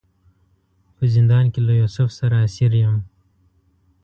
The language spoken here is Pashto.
په زندان کې له یوسف سره اسیر یم.